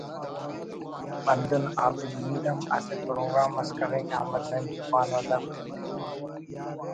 ہندن عابد میر ہم اسہ پروگرام اس کریکہ احمد نعیم زبان و ادب کن تینا